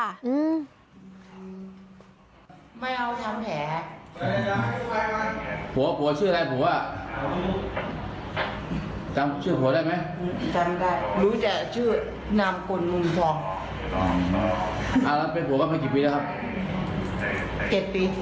แต่ไม่รู้จักชื่อหัวจำไม่ได้ชื่อแดนชื่อแดนชื่อแดนชื่อแดน